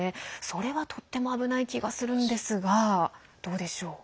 それはとっても危ない気がするんですがどうでしょう。